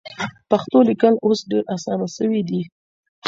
پښتو لیکل اوس ډېر اسانه سوي دي.